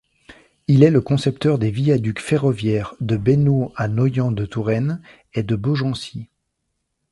Il est le concepteur des viaducs ferroviaires de Besnault à Noyant-de-Touraine et de Beaugency.